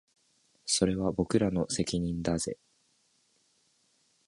それは僕らの責任だぜ